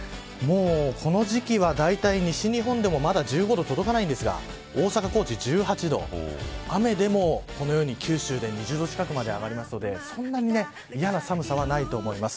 この時期は西日本でもまだ１５度に届かないんですが大阪、高知、１８度雨でも、このように九州でも２０度近く上がりますのでそんなに嫌な寒さはないと思います。